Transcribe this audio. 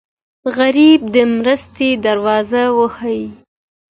غریب د مرستې دروازه وهي